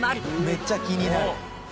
めっちゃ気になる！